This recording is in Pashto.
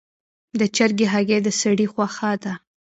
د چرګې هګۍ د سړي خوښه ده.